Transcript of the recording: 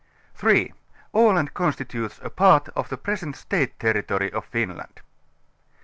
3) Aland constitutes a Part of the Present State Terri tory of Finland.